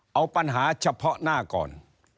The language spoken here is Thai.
เอาปัญหาเฉพาะหน้าก่อน